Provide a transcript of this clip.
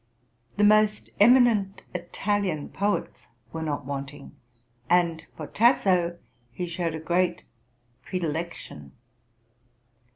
The most eminent Italian poets were not wanting, and for Tasso he showed a great predilection.